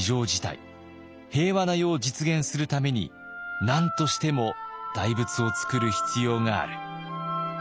平和な世を実現するために何としても大仏をつくる必要がある。